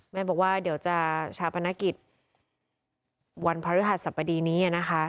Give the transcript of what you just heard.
แม่บอกว่าเดี๋ยวจะชาวพนักกิจวันพฤหัสสรรพดีนี้นะคะ